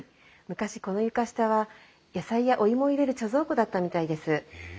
昔この床下は野菜やお芋を入れる貯蔵庫だったみたいです。